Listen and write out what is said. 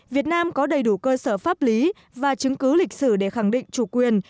việt nam có đầy đủ cơ sở pháp lý và chứng cứ lịch sử để khẳng định chủ quyền